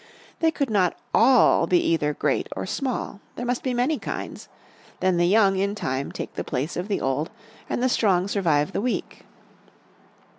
They could not all be either great or small. There must be many kinds; then the young in time take the place of the old, and the strong survive the weak.